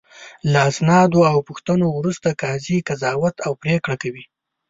له اسنادو او پوښتنو وروسته قاضي قضاوت او پرېکړه کوي.